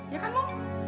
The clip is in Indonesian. ya kan mo